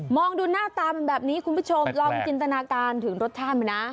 ดูหน้าตามันแบบนี้คุณผู้ชมลองจินตนาการถึงรสชาติมันนะ